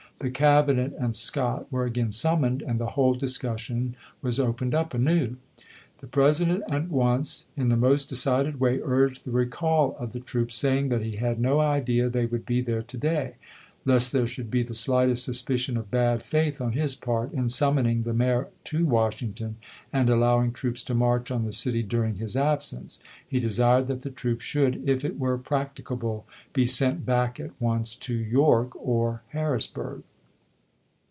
The Cab inet and Scott were again summoned, and the whole discussion was opened up anew. The President, at once, in the most decided way urged the recall of the troops, saying that he had no idea they Mayor would be there to day ; lest there should be the slightest port, April suspicion of bad faith on his part in summoning the 'mootI', mayor to Washington, and allowing troops to march on "Record*^"^ the city during his absence, he desired that the troops Vol. I. Doc should, if it were practicable, be sent back at once to York p. 124. or Harrisburg.